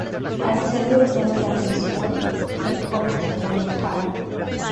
Al serbio le llama la atención el joven Geovanny Jara.